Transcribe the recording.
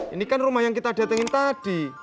ini kan rumah yang kita datangin tadi